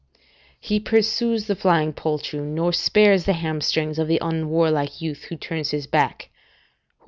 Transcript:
["He pursues the flying poltroon, nor spares the hamstrings of the unwarlike youth who turns his back" Hor.